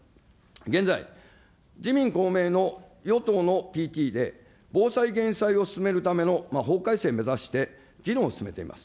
現在、自民、公明の与党のＰＴで防災・減災を進めるための法改正を目指して議論を進めています。